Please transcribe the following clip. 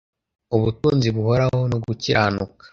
ubutunzi buhoraho no gukiranuka